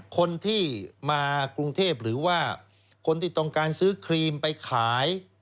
คนที่มากรุงเทพหรือว่าคนที่ต้องการซื้อครีมไปขาย